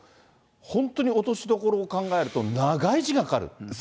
本当に落としどころを考えると長い時間かかる。